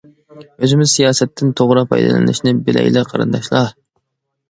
ئۆزىمىز سىياسەتتىن توغرا پايدىلىنىشنى بىلەيلى قېرىنداشلار!